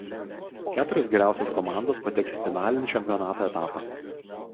Keturios geriausios komandos pateks į finalinį čempionato etapą.